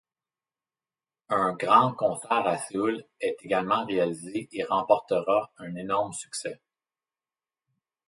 Un grand concert à Séoul est également réalisé et remportera un énorme succès.